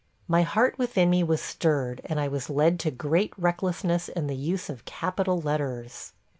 ... My heart within me was stirred, and I was led to great recklessness in the use of capital letters.